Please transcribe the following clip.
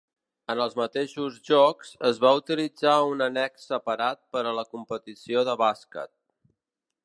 En els mateixos Jocs, es va utilitzar un annex separat per a la competició de bàsquet.